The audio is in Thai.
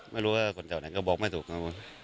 ไม่รู้ว่าคนเกี่ยวไหนก็บอกไม่ถูกครับผม